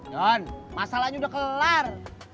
jan masalahnya udah kelar